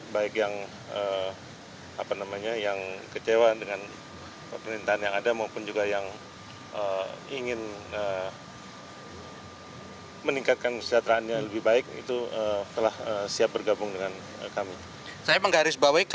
baik yang kecewa dengan pemerintahan yang ada maupun juga yang ingin meningkatkan kesejahteraannya lebih baik itu telah siap bergabung dengan kami